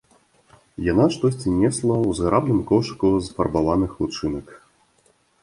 Яна штосьці несла ў зграбным кошыку з фарбаваных лучынак.